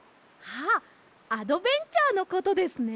あっアドベンチャーのことですね。